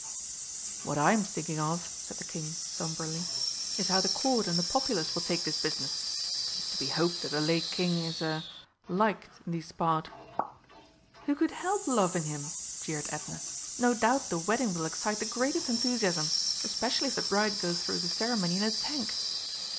"What I'm thinking of," said the King sombrely, "is how the Court and the populace will take this business. It's to be hoped that the Lake King is er liked in these parts." "Who could help loving him?" jeered Edna. "No doubt the wedding will excite the greatest enthusiasm especially if the bride goes through the ceremony in a tank!"